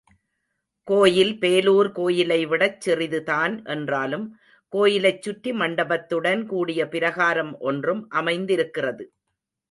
கோயில் பேலூர் கோயிலைவிடச் சிறிதுதான் என்றாலும் கோயிலைச் சுற்றி மண்டபத்துடன் கூடிய பிரகாரம் ஒன்றும் அமைந்திருக்கிறது.